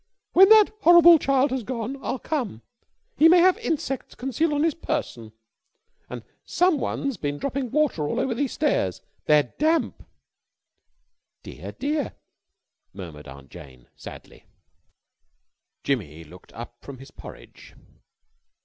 "When that horrible child has gone, I'll come. He may have insects concealed on his person. And someone's been dropping water all over these stairs. They're damp!" "Dear, dear!" murmured Aunt Jane, sadly. Jimmy looked up from his porridge.